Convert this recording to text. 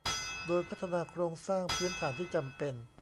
โดยพัฒนาโครงสร้างพื้นฐานที่จำเป็น